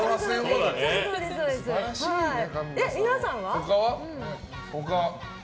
皆さんは？